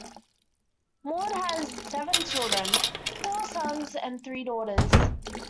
Maude had seven children, four sons and three daughters.